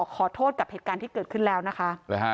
ขอโทษกับเหตุการณ์ที่เกิดขึ้นแล้วนะคะ